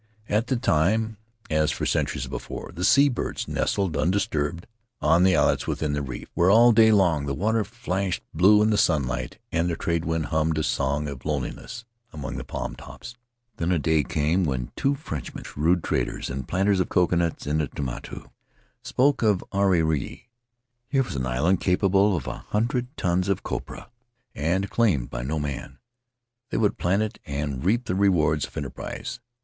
At that time, as for centuries before, the sea birds nested undisturbed on the islets within the reef, where all day long the water flashed blue in the sunlight and the trade wind hummed a song of loneliness among the palm tops. Then a day came when two Frenchmen — shrewd traders and planters of coconuts in the Tuamotu — spoke of Ariri. Here was an island capable of an annual hundred tons of copra, and claimed by no man; they would plant it and reap the rewards of enterprise.